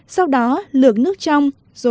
sau đó lược nước trong